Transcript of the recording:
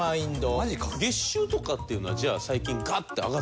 月収とかっていうのはじゃあ最近ガッて上がったりとか？